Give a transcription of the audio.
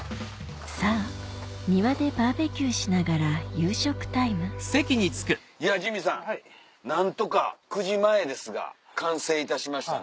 さぁバーベキューしながらいやジミーさん何とか９時前ですが完成いたしましたね。